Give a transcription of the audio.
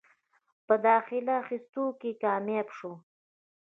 پۀ داخله اخستو کښې کامياب شو ۔